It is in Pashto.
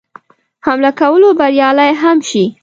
حمله کولو بریالی هم شي.